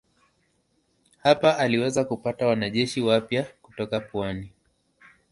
Hapa aliweza kupata wanajeshi wapya kutoka pwani.